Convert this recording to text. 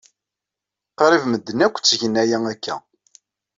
Qrib medden akk ttgen aya akka.